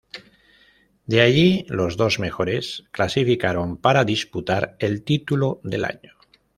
De allí los dos mejores clasificaron para disputar el título del año.